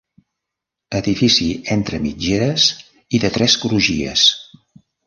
Edifici entre mitgeres i de tres crugies.